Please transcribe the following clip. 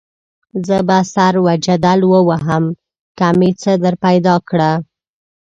زه به سر وجدل ووهم که مې څه درپیدا کړه.